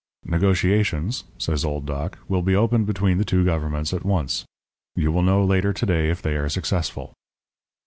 "'Negotiations,' says old Doc, 'will be opened between the two governments at once. You will know later to day if they are successful.'